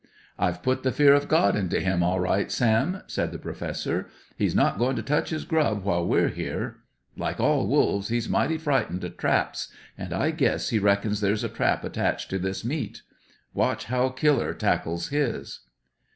"I've put the fear of God into him all right, Sam," said the Professor. "He's not going to touch his grub while we're here. Like all wolves, he's mighty frightened of traps; and I guess he reckons there's a trap attaching to this meat. Watch how Killer tackles his."